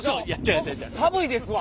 寒いですわ。